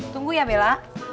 tunggu ya bella